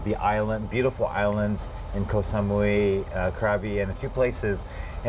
ที่มีเกาะที่ดีในโคสันมุยคราวิและกันกันกัน